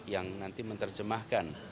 yang nanti menerjemahkan